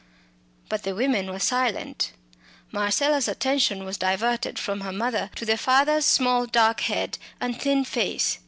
But the women were silent. Marcella's attention was diverted from her mother to the father's small dark head and thin face.